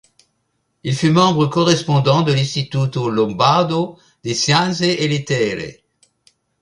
Il fut membre correspondant de l'Istituto lombardo di scienze e lettere.